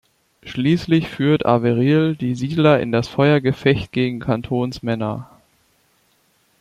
Schließlich führt Averill die Siedler in das Feuergefecht gegen Cantons Männer.